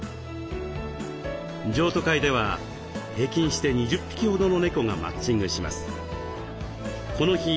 譲渡会では平均して２０匹ほどの猫がマッチングします。